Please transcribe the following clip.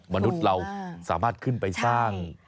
มนุษย์เราสามารถขึ้นไปสร้าง